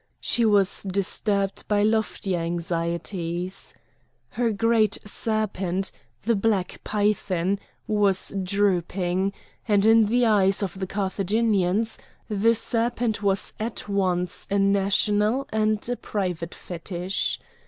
She was disturbed by loftier anxieties: her great serpent, the black python, was drooping; and in the eyes of the Carthaginians, the serpent was at once a national and a private fetish.